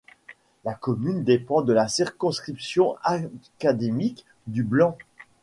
La commune dépend de la circonscription académique du Blanc.